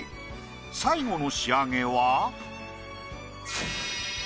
最後の仕上げは。